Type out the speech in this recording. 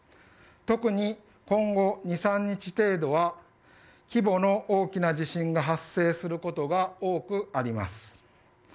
特に今後２、３日程度は規模の大きな地震が発生することが多くあります。